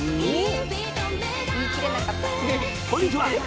こんにちは。